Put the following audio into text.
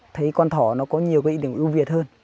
thấy con thỏ nó có nhiều cái ý điểm ưu việt hơn